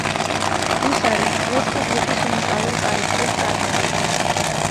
გუსარი რესპუბლიკის უნიკალურ კარიბჭეს წარმოადგენს.